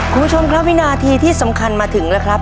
คุณผู้ชมครับวินาทีที่สำคัญมาถึงแล้วครับ